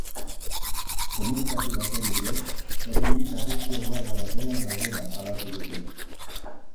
Komunikatu baten bidez, oraindik arrisku egoera larrian daudela salatu dute.